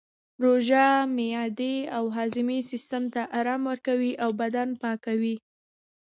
روژه معدې او هاضمې سیستم ته ارام ورکوي او بدن پاکوي